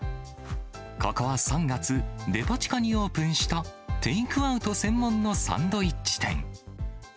ここは３月、デパ地下にオープンしたテイクアウト専門のサンドイッチ店。